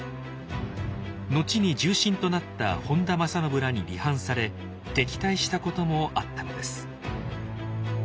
後に重臣となった本多正信らに離反され敵対したこともあったのです。